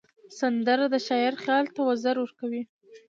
سندره د شاعر خیال ته وزر ورکوي